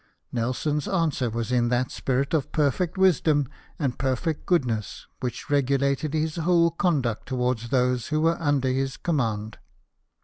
Nelson's answer was in that spirit of perfect wisdom and perfect goodness which regulated his whole conduct toward those who were under his command.